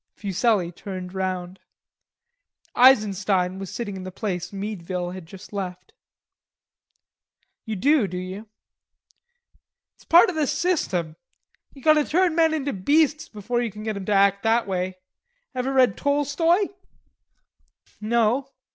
Fuselli turned round. Eisenstein was sitting in the place Meadville had just left. "You do, do you?" "It's part of the system. You've got to turn men into beasts before ye can get 'em to act that way. Ever read Tolstoi?" "No.